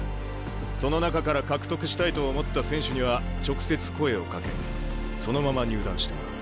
その中から獲得したいと思った選手には直接声をかけそのまま入団してもらう。